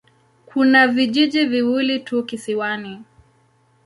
Kuna vijiji viwili tu kisiwani.